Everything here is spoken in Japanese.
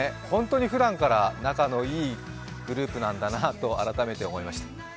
本当にふだんから仲のいいグループなんだなと思いました。